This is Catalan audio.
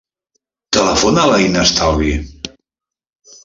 Telefona a l'Inas Talbi.